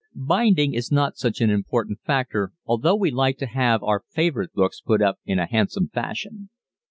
Binding is not such an important factor, although we like to have our favorite books put up in a handsome fashion.